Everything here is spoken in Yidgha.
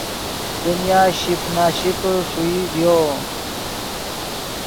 دنیا شیپ نا شیپے ݰوئی ڤیو